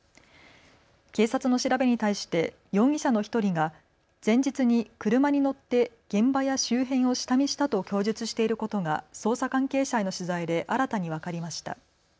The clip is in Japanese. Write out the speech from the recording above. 警察の調べに対して容疑者の１人が前日に車に乗って現場や周辺を下見したと供述していることが捜査関係者への取材で新たに分かりました。